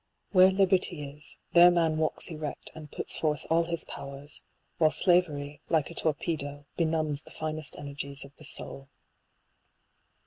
Where liberty is, there man walks erect and puts forth all his powers ; while slavery, like a tor pedo, benumbs the finest energies of the soul.